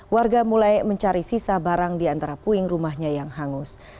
warga mulai mencari sisa barang di antara puing rumahnya yang hangus